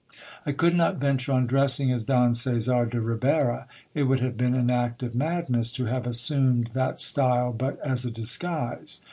I could not venture on dressing as Don Caesar de Ribera ; it would have been an act of madness to have assumed that style but as a disguise.